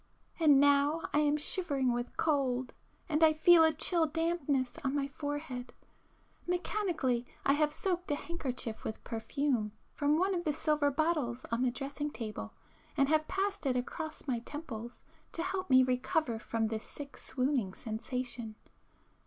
And now I am shivering with cold, and I feel a chill dampness on my forehead,—mechanically I have soaked a handkerchief with perfume from one of the silver bottles on the dressing table, and have passed it across my temples to help me recover from this sick swooning sensation.